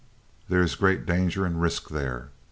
There is great danger and risk there."